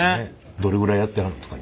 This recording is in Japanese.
どれぐらいやってはるんですか？